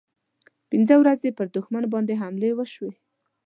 پنځه ورځې پر دښمن باندې حملې وشوې.